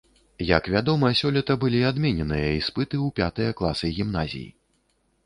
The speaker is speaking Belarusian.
Як вядома, сёлета былі адмененыя іспыты ў пятыя класы гімназій.